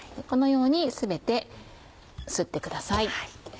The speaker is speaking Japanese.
このように全てすってください。